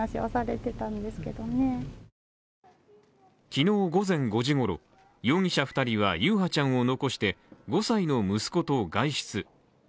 昨日午前５時ごろ、容疑者２人は優陽ちゃんを残して５歳の息子と外出。